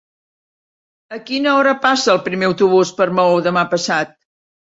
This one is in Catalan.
A quina hora passa el primer autobús per Maó demà passat?